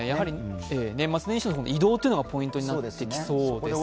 年末年始の移動がポイントになってきそうですね。